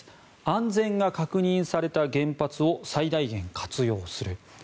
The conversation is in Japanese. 安全が確認された原発を最大限活用する。